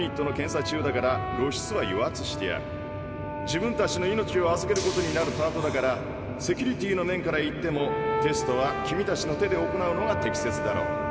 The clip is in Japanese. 自分たちの命を預けることになるパートだからセキュリティーの面から言ってもテストは君たちの手で行うのが適切だろう。